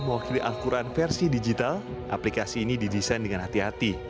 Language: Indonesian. mewakili al quran versi digital aplikasi ini didesain dengan hati hati